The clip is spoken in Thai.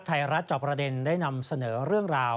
ไทยรัฐจอบประเด็นได้นำเสนอเรื่องราว